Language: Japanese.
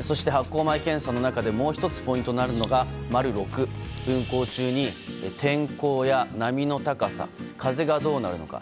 そして、発航前検査の中でもう１つポイントになるのが６、運航中に天候や波の高さ風がどうなのか。